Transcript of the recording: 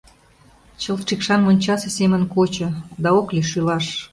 Чылт шикшан мончасе семын кочо, да ок лий шӱлаш.